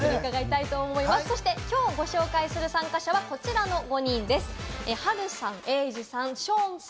そして本日ご紹介する参加者はこちらの５人です。